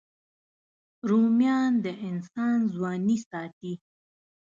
رومیان د انسان ځواني ساتي